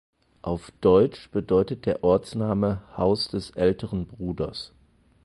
Auf Deutsch bedeutet der Ortsname „Haus des älteren Bruders“.